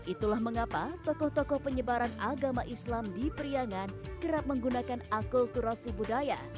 itulah mengapa tokoh tokoh penyebaran agama islam di periangan kerap menggunakan akulturasi budaya